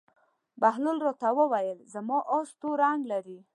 بهلول ورته وویل: زما اس تور رنګ لري.